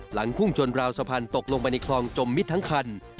พุ่งชนราวสะพานตกลงไปในคลองจมมิดทั้งคัน